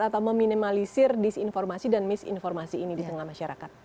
atau meminimalisir disinformasi dan misinformasi ini di tengah masyarakat